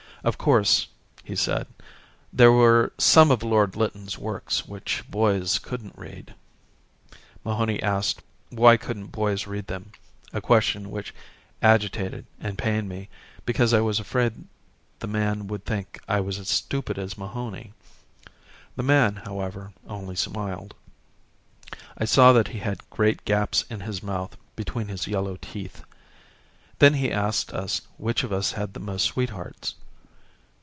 "Of course," he said, "there were some of Lord Lytton's works which boys couldn't read." Mahony asked why couldn't boys read them—a question which agitated and pained me because I was afraid the man would think I was as stupid as Mahony. The man, however, only smiled. I saw that he had great gaps in his mouth between his yellow teeth. Then he asked us which of us had the most sweethearts.